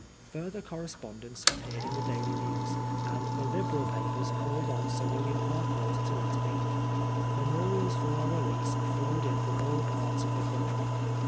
Further correspondence appeared in the Daily News^ and the Liberal papers called on Sir William Harcourt to intervene. Memorials for our release flowed in from all parts of the country.